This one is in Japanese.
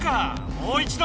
もう一ど！